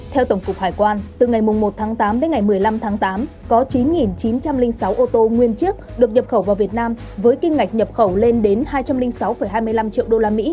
theo tổng cục hải quan từ ngày một tháng tám đến ngày một mươi năm tháng tám có chín chín trăm linh sáu ô tô nguyên chiếc được nhập khẩu vào việt nam với kim ngạch nhập khẩu lên đến hai trăm linh sáu hai mươi năm triệu usd